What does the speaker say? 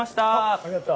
おっありがとう。